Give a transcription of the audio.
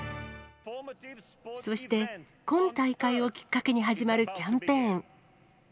そして、今大会をきっかけに始まるキャンペーン。